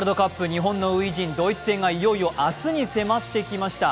日本の初陣ドイツ戦がいよいよ明日に迫ってきました。